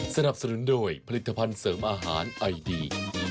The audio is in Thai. สนับสนุนโดยผลิตภัณฑ์เสริมอาหารไอดี